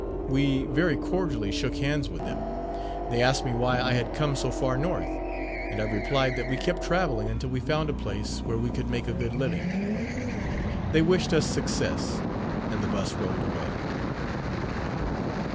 We very cordially shook hands with them. They asked me why I had come so far north, and I replied that we kept traveling until we found a place where we could make a good living. They wished us success and the bus rolled away.